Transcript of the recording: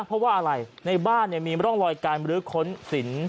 เพราะว่าอะไรในบ้านเนี่ยมีร่องรอยการบริรุขล้มสิน